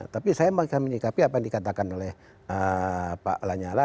tapi saya menyikapi apa yang dikatakan oleh pak lanyala